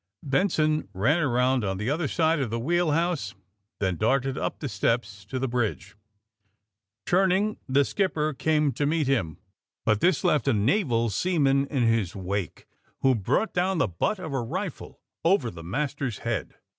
Benson ran around on the other side of the wheel house, then darted up the steps to the bridge. Turning, the skipper came to meet him, but this left a naval seaman in his wake, who brought down the butt of a rifle over the mas ter 's head.